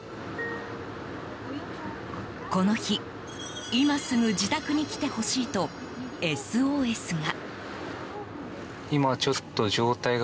この日、今すぐ自宅に来てほしいとＳＯＳが。